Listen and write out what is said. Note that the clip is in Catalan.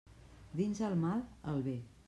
Dins el mal, el bé.